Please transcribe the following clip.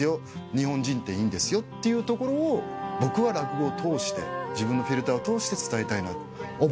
日本人っていいんですよっていうところを僕は落語を通して自分のフィルターを通して伝えたいな。